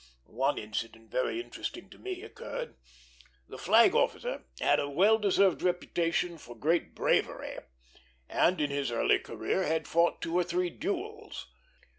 One incident very interesting to me occurred. The flag officer had a well deserved reputation for great bravery, and in his early career had fought two or three duels.